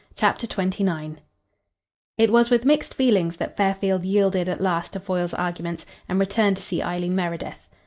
CHAPTER XXIX It was with mixed feelings that Fairfield yielded at last to Foyle's arguments and returned to see Eileen Meredith.